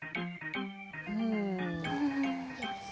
うん。